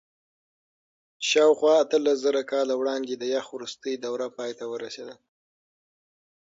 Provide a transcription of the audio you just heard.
شاوخوا اتلسزره کاله وړاندې د یخ وروستۍ دوره پای ته ورسېده.